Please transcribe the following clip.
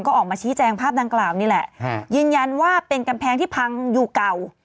ก็ออกมาชี้แจงภาพดังกล่าวนี่แหละยืนยันว่าเป็นกำแพงที่พังอยู่เก่า